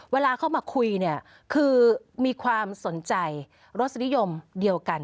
เวลาเข้ามาคุยเนี่ยคือมีความสนใจรสนิยมเดียวกัน